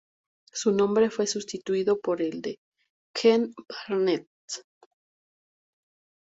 Su nombre fue sustituido por el de Ken Barnett.